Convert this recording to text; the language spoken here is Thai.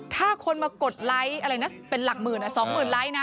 ถ้าคนมากดไลก์เป็นหลักหมื่น๒๐๐๐๐ไลก์นะ